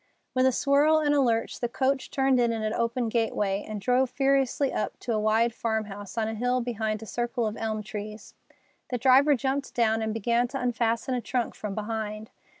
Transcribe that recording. With a swirl and a lurch the coach turned in at an open gateway and drove furiously up to a wide farm house on a hill behind a circle of elm trees. The driver jumped down and began to unfasten a trunk from behind.